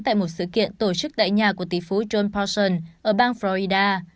tại một sự kiện tổ chức tại nhà của tỷ phú john poston ở bang florida